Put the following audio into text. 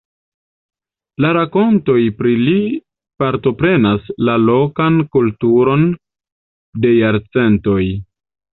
La rakontoj pri li partoprenas la lokan kulturon de jarcentoj.